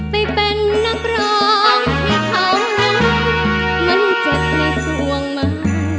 ไปเป็นนักร้องที่เขามันเจ็บในสวงมา